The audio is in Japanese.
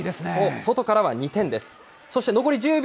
外からは２点です。